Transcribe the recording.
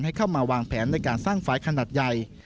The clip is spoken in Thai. เข้ามาวางแผนในการสร้างไฟล์ขนาดใหญ่